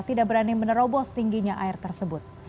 tidak berani menerobos tingginya air tersebut